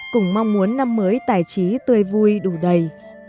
cùng mong muốn năm mới tài trí tươi vui đủ đầy